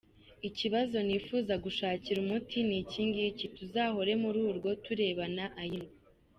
Ikibazo nifuza gushakira umuti ni ikingiki: Tuzahore muri urwo turebana ay’ingwe?